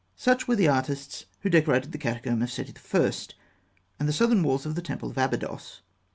Such were the artists who decorated the catacomb of Seti I., and the southern walls of the temple of Abydos.